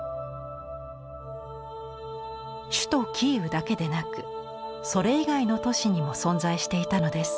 首都キーウだけでなくそれ以外の都市にも存在していたのです。